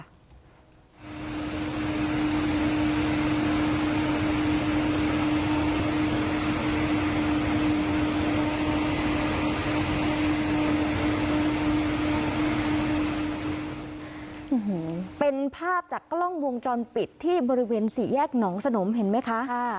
โอ้โหเป็นภาพจากกล้องวงจรปิดที่บริเวณสี่แยกหนองสนมเห็นไหมคะ